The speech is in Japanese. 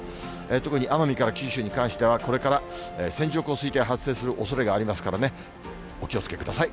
特に奄美から九州に関しては、これから線状降水帯発生するおそれがありますからね、お気をつけください。